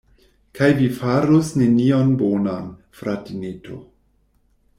Kaj vi farus nenion bonan, fratineto.